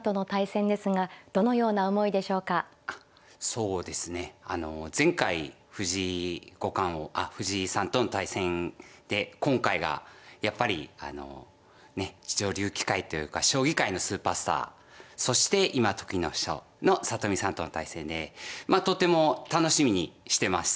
そうですねあの前回藤井さんとの対戦で今回がやっぱりねえ女流棋界というか将棋界のスーパースターそして今時の人の里見さんとの対戦でまあとても楽しみにしてます。